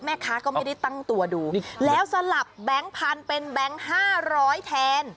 แม่ค้าก็ไม่ได้ตั้งตัวดูแล้วสลับแบงค์พันธุ์เป็นแบงค์๕๐๐แทน